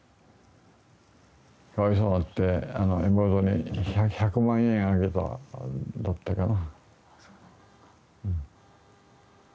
かわいそうになって妹に１００万円あげたんだったかな。